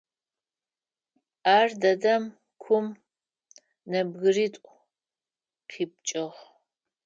Ар дэдэм кум нэбгыритӏу къипкӏыгъ.